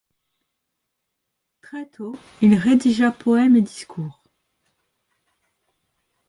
Très tôt, il rédigea poèmes et discours.